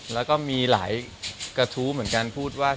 แล้วก็มีหลายกระทู้เหมือนกันพูดว่า